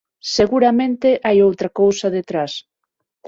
Seguramente hai outra cousa detrás.